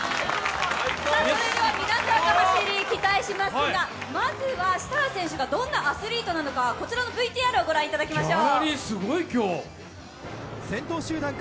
皆さんの走り、期待しますが、まずは設楽選手がどんなアスリートなのか、こちらのＶＴＲをご覧いただきましょう。